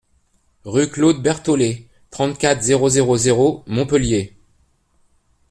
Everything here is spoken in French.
Rue Claude Berthollet, trente-quatre, zéro zéro zéro Montpellier